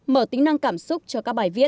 mở tính năng cảm xúc cho các bài viết